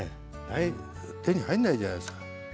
手に入んないじゃないですか。